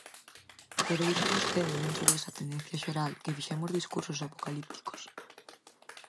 Pero dixo vostede, dentro desa tendencia xeral, que fixemos discursos apocalípticos.